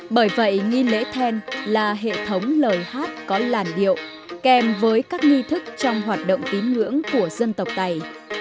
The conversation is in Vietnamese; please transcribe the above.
bởi vậy nghi lễ then là hệ thống lời hát có làn điệu kèm với các nghi thức trong hoạt động tín ngưỡng của dân tộc tày